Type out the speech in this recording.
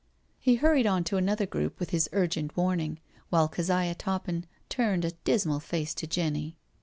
*' He hurried on to another group with his urgent warning, while Keziah Toppin turned a dismal face on Jenny.